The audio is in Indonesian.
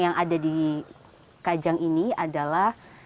yang ada di kawasan kajang adalah